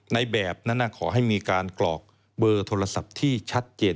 ในแบบนั้นขอให้มีการกรอกเบอร์โทรศัพท์ที่ชัดเจน